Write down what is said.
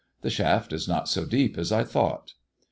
The shaft is not so deep as I thought."